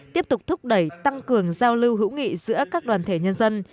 tiếp tục thúc đẩy tăng cường giao lưu hữu nghị giữa các đoàn thể nhân dân